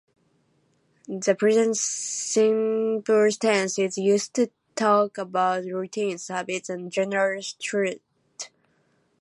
The present simple tense is used to talk about routines, habits, and general truths.